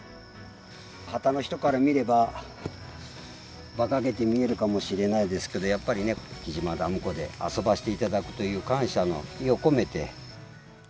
端の人から見ればばかげて見えるかもしれないですけど、やっぱりね、来島ダム湖で遊ばせていただくという感謝の意を込めて。